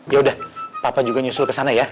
yaudah papa juga nyusul kesana ya